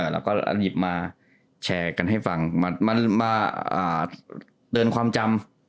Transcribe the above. เราก็หยิบมาแชร์กันให้ฟังมาเดินความจำ